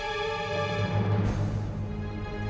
semoga gusti allah bisa menangkan kita